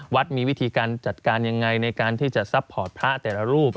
มีวิธีการจัดการยังไงในการที่จะซัพพอร์ตพระแต่ละรูป